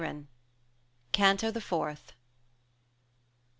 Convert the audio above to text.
240 CANTO THE FOURTH.